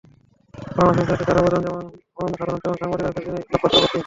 বাংলা শিশুসাহিত্যে তাঁর অবদান যেমন অনন্যসাধারণ, তেমনি সাংবাদিকতার ক্ষেত্রে তিনি নক্ষত্রপ্রতিম।